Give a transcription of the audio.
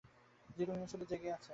জিতু মিয়া শুধু জেগে আছে।